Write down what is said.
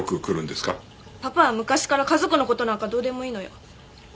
パパは昔から家族の事なんかどうでもいいのよ。